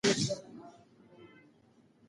انا په ډېرې وېرې سره چیغه کړه.